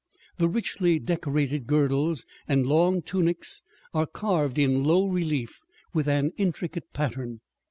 The richly decorated girdles and long tunics are carved in low relief with an intricate pattern.